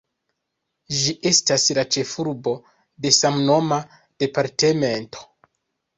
Ĝi estas la ĉefurbo de samnoma departemento.